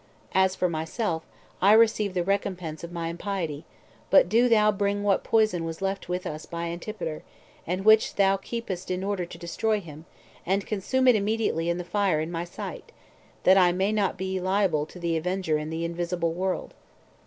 As for myself, I receive the recompence of my impiety; but do thou bring what poison was left with us by Antipater, and which thou keepest in order to destroy him, and consume it immediately in the fire in my sight, that I may not be liable to the avenger in the invisible world."